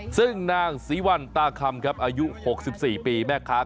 ซึ่งนางศรีวัลตาคำครับอายุ๖๔ปีแม่ค้า